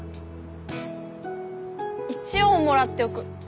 一応もらっておく。